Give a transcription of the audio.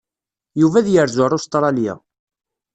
Yuba ad yerzu ar Ustṛalya.